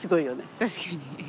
確かに。